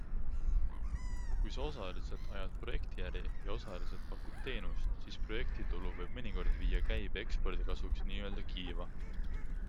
Kui sa osaliselt ajad projektiäri ja osaliselt pakud teenust, siis projektitulu võib mõnikord viia käibe ekspordi kasuks n-ö kiiva.